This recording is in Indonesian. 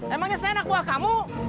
emangnya saya anak buah kamu